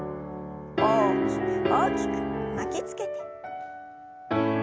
大きく大きく巻きつけて。